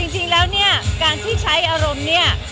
จริงแล้วเนี่ยการที่ใช้อารมณ์เนี่ย